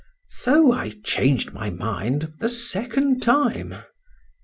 so I changed my mind a second time.